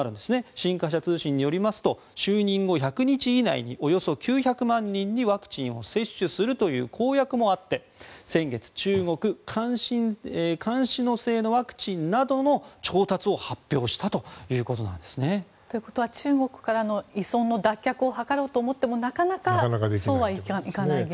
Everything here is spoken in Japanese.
新華社通信によりますと就任後１００日以内におよそ９００万人にワクチンを接種するという公約もあって先月中国カンシノ製ワクチンなどの調達を発表したということなんですね。ということは中国からの依存の脱却を図ろうと思ってもなかなかそうはいかない現状。